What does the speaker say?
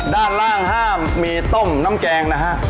ด้านล่างห้ามมีต้มน้ำแกงนะฮะ